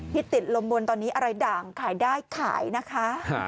ที่ติดลมบนตอนนี้อะไรด่างขายได้ขายนะคะ